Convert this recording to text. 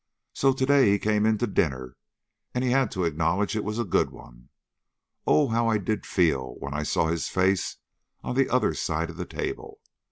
So to day he came in to dinner, and he had to acknowledge it was a good one. Oh, how I did feel when I saw his face on the other side of the table!